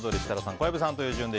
小籔さんという順番で。